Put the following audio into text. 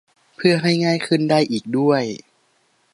เพื่อให้ง่ายขึ้นได้อีกด้วย